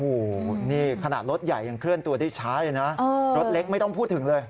โอ้โหขนาดรถใหญ่ขึ้นไปตัวที่ช้าเลยนะรถเล็กไม่ต้องพูดถึงเลย